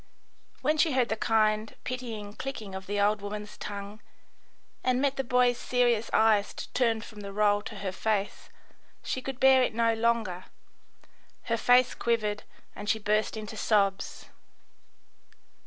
When she heard the kind, pitying clicking of the old woman's tongue, and met the boy's serious eyes turned from the roll to her face, she could bear it no longer; her face quivered and she burst into sobs.